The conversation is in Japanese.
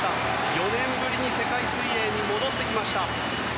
４年ぶりに世界水泳に戻ってきました。